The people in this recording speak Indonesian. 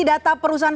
jadi itu diperkenalkan